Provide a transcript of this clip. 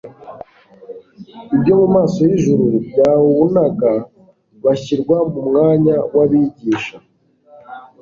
ibyo mu maso y'ijuru byauunaga bashyirwa mu mwanya w'abigisha.